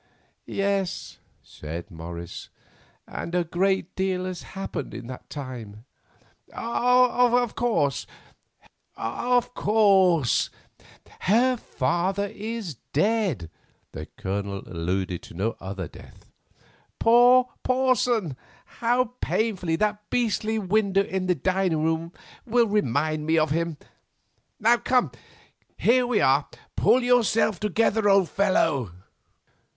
"Yes," said Morris, "and a great deal has happened in that time." "Of course, her father is dead." The Colonel alluded to no other death. "Poor Porson! How painfully that beastly window in the dining room will remind me of him! Come, here we are; pull yourself together, old fellow."